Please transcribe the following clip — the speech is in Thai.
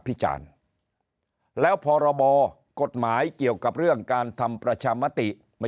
จารณ์แล้วพรบกฎหมายเกี่ยวกับเรื่องการทำประชามติ